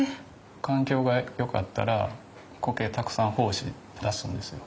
環境がよかったらコケたくさん胞子出すんですよ。